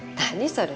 それ。